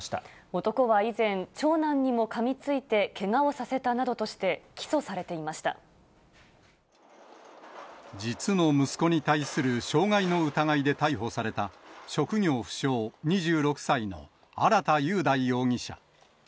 男は以前、長男にもかみついて、けがをさせたなどとして、起訴されていまし実の息子に対する傷害の疑いで逮捕された、職業不詳、２６歳の荒田佑大容疑者。